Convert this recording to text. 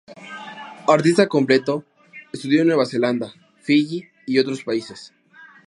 Artista completo, estudió en Nueva Zelanda, Fiyi y otros países.